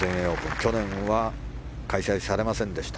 去年は開催されました。